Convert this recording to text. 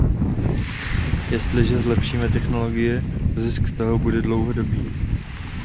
Jestliže zlepšíme technologie, zisk z toho bude dlouhodobý.